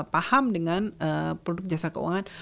paham dengan produk jasa keuangan